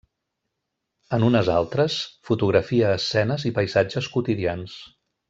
En unes altres, fotografia escenes i paisatges quotidians.